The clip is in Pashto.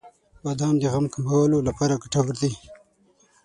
• بادام د غم کمولو لپاره ګټور دی.